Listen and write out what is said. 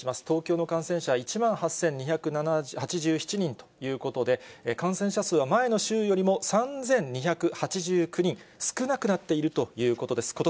東京の感染者、１万８２８７人ということで、感染者数は前の週よりも３２８９人少なくなっているということです。